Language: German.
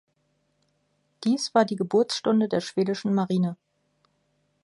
Dies war die Geburtsstunde der Schwedischen Marine.